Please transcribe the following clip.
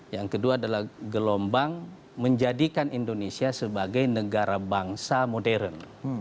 yang kedua adalah gelombang menjadikan indonesia sebagai negara bangsa modern